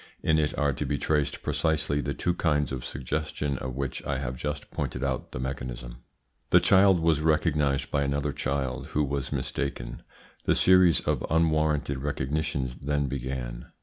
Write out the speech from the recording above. In it are to be traced precisely the two kinds of suggestion of which I have just pointed out the mechanism. "The child was recognised by another child, who was mistaken. The series of unwarranted recognitions then began.